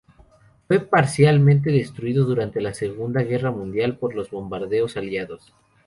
Fue parcialmente destruido durante la Segunda Guerra Mundial por los bombardeos aliados.